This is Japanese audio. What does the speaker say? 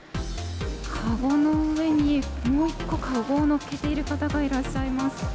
籠の上にもう１個、籠をのっけている方がいらっしゃいます。